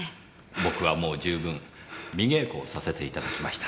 僕はもう十分見稽古をさせていただきました。